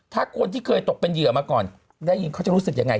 ถ้าคนที่เคยตกเป็นเหยื่อมาก่อนได้ยินเขาจะรู้สึกยังไง